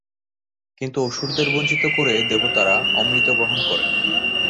কিন্তু অসুরদের বঞ্চিত করে দেবতারা অমৃত গ্রহণ করেন।